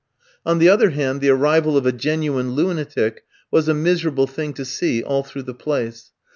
On the other hand, the arrival of a genuine lunatic was a miserable thing to see all through the place.